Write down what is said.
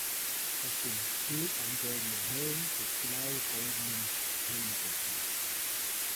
Auf dem Schild ein goldener Helm mit blau goldenen Helmdecken.